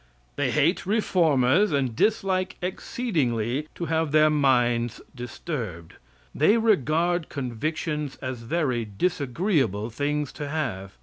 They hate reformers, and dislike exceedingly to have their minds disturbed. They regard convictions as very disagreeable things to have.